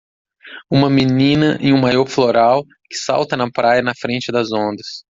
Uma menina em um maiô floral que salta na praia na frente das ondas.